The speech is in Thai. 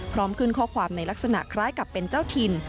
พร้อมขึ้นข้อความในลักษณะคล้ายกับเป็นเจ้าถิ่น